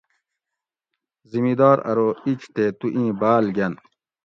زمیدار ارو ایج تے تو اِیں باۤل گۤن